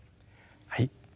はい。